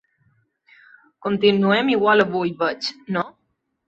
Continuem igual avui veig no?